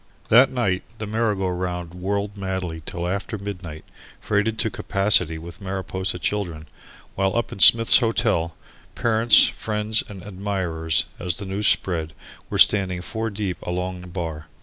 That night the merry go round whirled madly till after midnight, freighted to capacity with Mariposa children, while up in Smith's Hotel, parents, friends and admirers, as the news spread, were standing four deep along the bar.